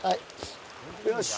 よし！